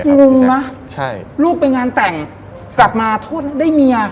งงนะลูกไปงานแต่งกลับมาโทษได้เมีย